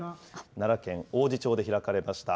奈良県王寺町で開かれました。